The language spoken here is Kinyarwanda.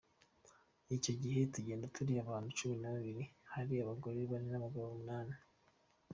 Icyo gihe tugenda turi abantu cumi na babiri, hari abagore bane n’abagabo umunani.